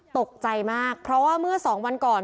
ตกใจมากเพราะว่าเมื่อสองวันก่อน